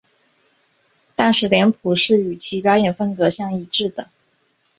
但是脸谱是与其表演风格相一致的。